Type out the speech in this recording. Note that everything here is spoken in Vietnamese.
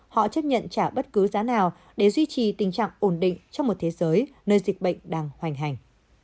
họ chấp nhận trả bất cứ giá nào để duy trì tình trạng ổn định trong một thế giới nơi dịch bệnh đang hoành hành